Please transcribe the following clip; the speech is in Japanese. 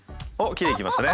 きれいにいきましたね。